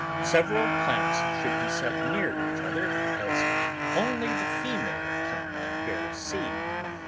Sev eral plants should be set near each other, as only the female plant bears seed.